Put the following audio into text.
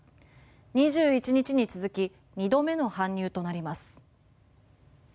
２１日に続き２度目の搬入となります。